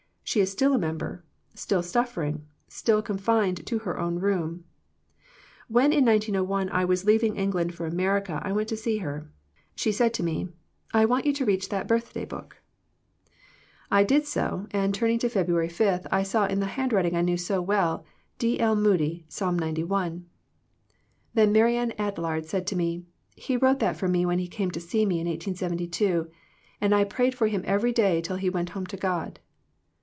She is still a member, still suffering, still confined to her own room. When in 1901 I was leaving England for America I went to see her. She said to me, " I want you to reach that birthday THE PEAOTICB OF PEAYEE 127 book." I did so and turning to February 5 I saw in the handwriting I knew so well, " D. L, Moody, Psalm 91P Then Marianne Adlard said to me, " He wrote that for me when he came to see me in 1872, and I prayed for him every day till he went home to God."